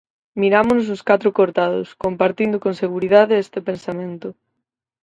Mirámonos os catro cortados, compartindo con seguridade este pensamento: